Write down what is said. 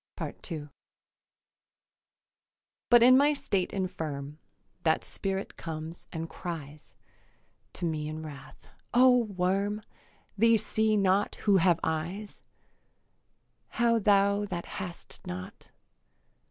II But in my state infirm That Spirit comes and cries To me in wrath, 'O worm, They see not who have eyes, How thou that hast not?